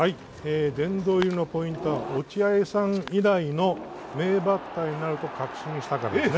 殿堂入りのポイントは落合さん以来の名バッターになると確信したからですね。